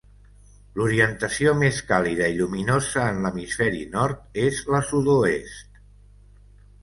L'orientació més càlida i lluminosa en l'hemisferi nord és la sud-oest.